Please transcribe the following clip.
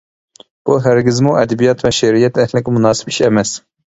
بۇ ھەرگىزمۇ ئەدەبىيات ۋە شېئىرىيەت ئەھلىگە مۇناسىپ ئىش ئەمەس.